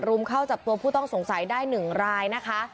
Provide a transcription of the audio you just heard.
รุมเข้าจับตัวผู้ต้องสงสัยได้๑รายนะคะ